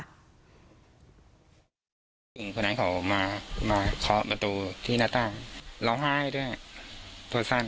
ถึงผู้ิ่งของนางเขามามาเคาะมาตึกที่หน้าตั้งเราห้ายตัวั้ง